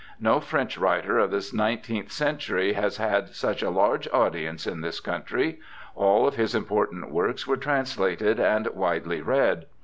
No French writer of the nineteenth century has had such a large audience in this country ; all of his important works were translated and widely read.